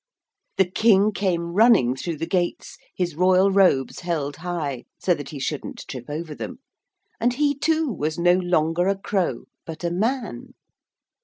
The King came running through the gates, his royal robes held high, so that he shouldn't trip over them, and he too was no longer a crow, but a man.